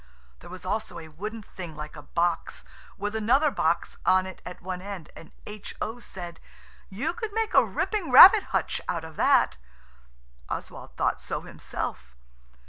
There was also a wooden thing like a box with another box on it at one end, and H.O. said– "You could make a ripping rabbit hutch out of that." Oswald thought so himself.